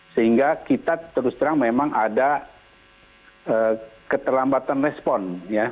sehingga kita terus terang memang ada keterlambatan respon